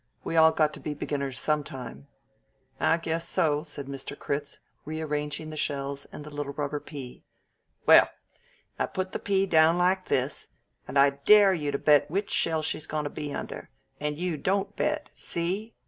We all got to be beginners sometime." "I guess so," said Mr. Critz, rearranging the shells and the little rubber pea. "Well, I put the pea down like this, and I dare you to bet which shell she's goin' to be under, and you don't bet, see?